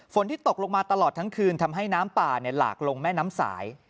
ที่ตกลงมาตลอดทั้งคืนทำให้น้ำป่าหลากลงแม่น้ำสาย